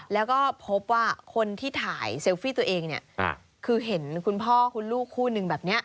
แล้วก็พบว่าคนที่ถ่ายเซลฟี่ตัวเองเนี่ยคือเห็นคุณพ่อคุณลูกคู่นึงแบบนี้